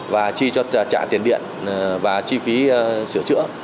và chi cho trả tiền điện và chi phí sửa chữa